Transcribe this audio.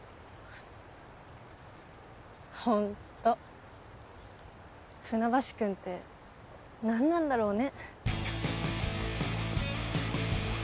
ホント船橋くんってなんなんだろうね。